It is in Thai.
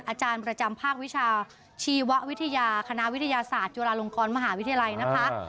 อาจารย์ประจำภาควิชาชีววิทยาคณะวิทยาศาสตร์จุฬาลงกรมหาวิทยาลัยนะคะ